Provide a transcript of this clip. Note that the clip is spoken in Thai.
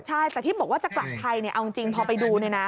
ใช่แต่ที่บอกว่าจะกลับไทยเอาจริงพอไปดู